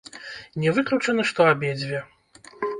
Не выключана, што абедзве.